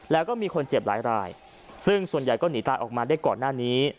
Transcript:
แล้วก็มีคนเจ็บหลายรายซึ่งส่วนใหญ่ก็หนีตายออกมาได้ก่อนหน้านี้